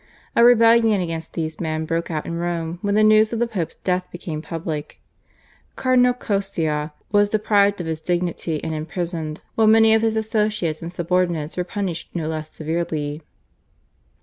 A rebellion against these men broke out in Rome when the news of the Pope's death became public. Cardinal Coscia was deprived of his dignity and imprisoned, while many of his associates and subordinates were punished no less severely.